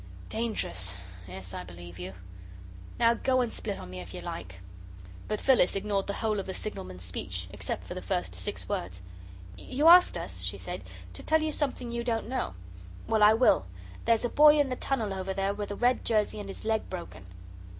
Dangerous? Yes, I believe you. Now go and split on me if you like." "Of course we won't," said Peter, indignantly, but Phyllis ignored the whole of the signalman's speech, except the first six words. "You asked us," she said, "to tell you something you don't know. Well, I will. There's a boy in the tunnel over there with a red jersey and his leg broken."